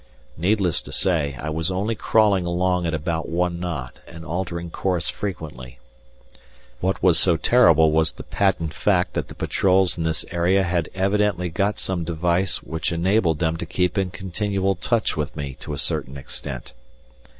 Needless to say, I was only crawling along at about one knot and altering course frequently. What was so terrible was the patent fact that the patrols in this area had evidently got some device which enabled them to keep in continual touch with me to a certain extent.